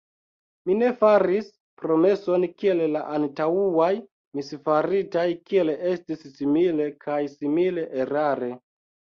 Mi ne faris promeson kiel la antaŭaj misfaritaj; sed estis simile, kaj simile erare.